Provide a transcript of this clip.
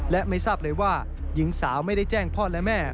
และไม่ทราบเลยว่าหญิงสาวไม่ได้แจ้งพ่อและแม่